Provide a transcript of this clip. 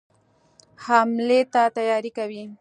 حملې ته تیاری کوي.